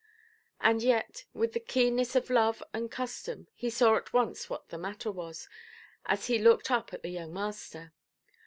And yet, with the keenness of love and custom, he saw at once what the matter was, as he looked up at the young master.